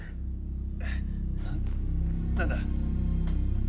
何だ？